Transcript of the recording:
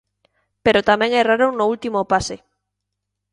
Pero tamén erraron no último pase.